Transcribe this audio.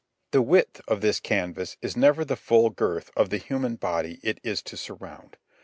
The width of this canvas is never the full girth of the human body it is to surround.